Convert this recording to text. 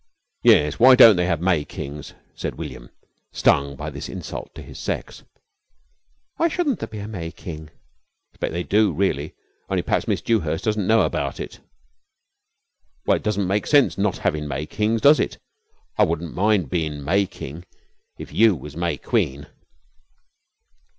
"Yes. Why don't they have May Kings?" said William, stung by this insult to his sex. "Why shouldn't there be a May King?" "I speck they do, really, only p'raps Miss Dewhurst doesn't know abut it." "Well, it doesn't seem sense not having May Kings, does it? I wun't mind bein' May King if you was May Queen."